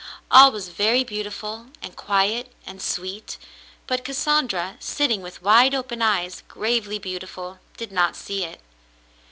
All was very beautiful and quiet and sweet, but Cassandra, sitting with wide open eyes, gravely beautiful, did not see it.